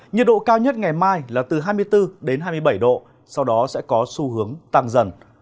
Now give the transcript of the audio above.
nhiệt độ cao nhất ngày mai là từ hai mươi bốn đến hai mươi bảy độ sau đó sẽ có xu hướng tăng dần